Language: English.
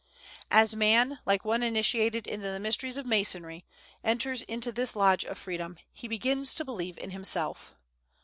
As man, like one initiated into the mysteries of Masonry, enters into this lodge of freedom, he begins to believe in himself.